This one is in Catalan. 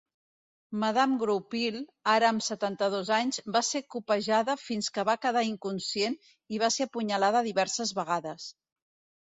Madame Groupil, ara amb setanta dos anys, va ser copejada fins que va quedar inconscient i va ser apunyalada diverses vegades.